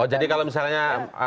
jadi kalau misalnya